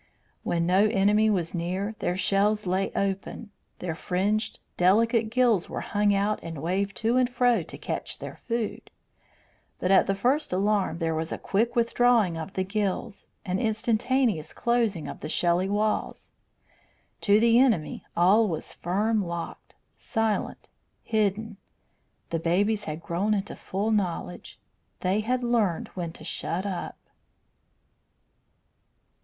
When no enemy was near their shells lay open; their fringed, delicate gills were hung out and waved to and fro to catch their food. But at the first alarm there was a quick withdrawing of the gills, an instantaneous closing of the shelly walls. To the enemy all was firm locked, silent, hidden. The babies had grown into full knowledge; they had learned when to shut up.